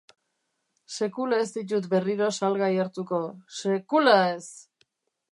Sekula ez ditut berriro salgai hartuko, sekula ez!